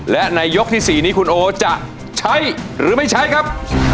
และในยกที่๔นี้คุณโอจะใช้หรือไม่ใช้ครับ